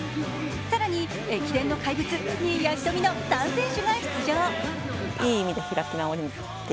更に駅伝の怪物・新谷仁美の３選手が出場。